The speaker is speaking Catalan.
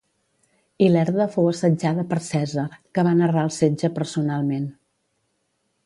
Ilerda fou assetjada per Cèsar, que va narrar el setge personalment.